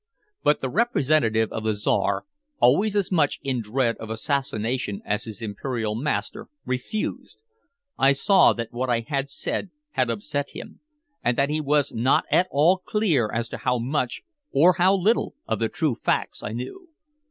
But the representative of the Czar, always as much in dread of assassination as his imperial master, refused. I saw that what I had said had upset him, and that he was not at all clear as to how much or how little of the true facts I knew.